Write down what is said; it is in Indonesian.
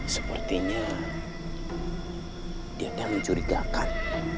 sepertinya dia mencurigakan